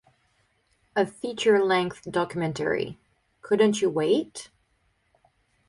A feature-length documentary, Couldn't You Wait?